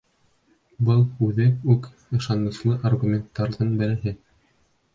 Был үҙе үк ышаныслы аргументтарҙың береһе.